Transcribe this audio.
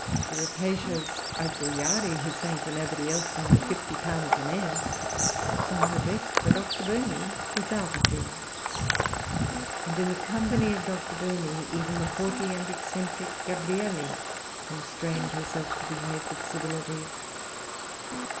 The rapacious Agujari, who sang for nobody else under fifty pounds an air, sang her best for Dr. Burney without a fee; and in the company of Dr. Burney even the haughty and eccentric Gabrielli constrained herself to behave with civility.